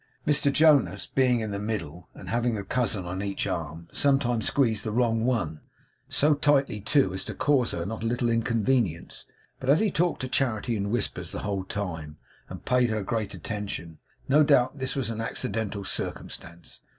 Mr Jonas being in the middle, and having a cousin on each arm, sometimes squeezed the wrong one; so tightly too, as to cause her not a little inconvenience; but as he talked to Charity in whispers the whole time, and paid her great attention, no doubt this was an accidental circumstance.